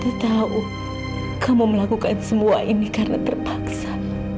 saya tahu kamu melakukan semua ini karena terpaksa